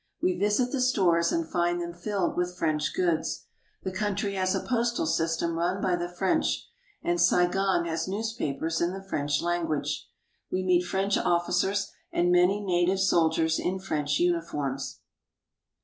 We visit the stores and find them filled with French goods. The country has a postal system run by the French, and Saigon has newspapers in the French language. We meet French officers and many native soldiers in French uniforms.